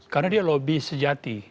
karena dia lobby sejati